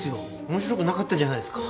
面白くなかったじゃないですか。